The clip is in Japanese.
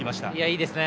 いいですね。